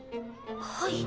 はい。